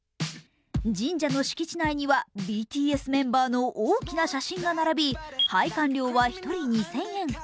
神社の敷地内にはＢＴＳメンバーの大きな写真が並び、拝観料は１人２０００円。